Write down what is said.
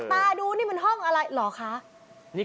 กับแค่เรื่องการบ้านเนี่ย